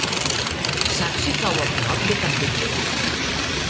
Saps si cau a prop de Capdepera?